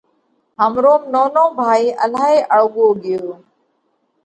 همروم نونو ڀائي الهائِي اۯڳو ڳيو